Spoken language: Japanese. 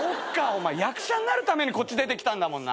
お前役者になるためにこっち出てきたんだもんな。